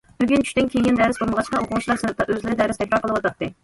بۈگۈن چۈشتىن كېيىن دەرس بولمىغاچقا، ئوقۇغۇچىلار سىنىپتا ئۆزلىرى دەرس تەكرار قىلىۋاتاتتى.